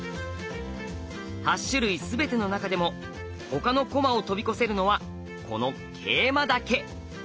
８種類全ての中でも他の駒を飛び越せるのはこの桂馬だけ。